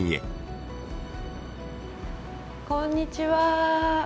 こんにちは。